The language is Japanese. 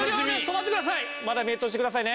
止まってください。